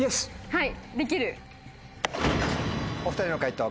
はい。